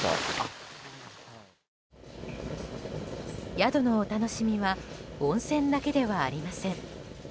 宿のお楽しみは温泉だけではありません。